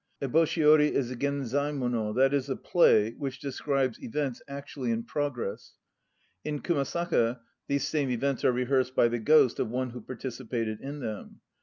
Eboshi ori is a genzcd mono, that is to say a play which describes events actually in progress. In Kumasaka these same events are re hearsed by the ghost of one who participated in them.